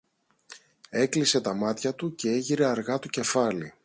Έκλεισε τα μάτια του κι έγειρε αργά το κεφάλι.